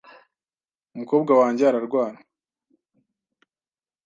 Umukobwa wanjye ararwara .